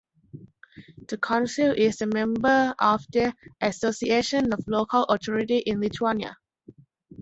The council is the member of The Association of Local Authorities in Lithuania.